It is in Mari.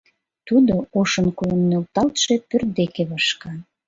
Тудо ошын койын нӧлталтше пӧрт деке вашка.